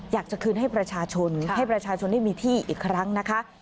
อยากจะคืนให้ประชาชนให้ประชาชนได้มีที่อีกครั้งนะคะ